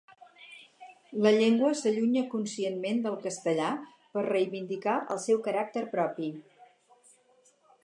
La llengua s'allunya conscientment del castellà per reivindicar el seu caràcter propi.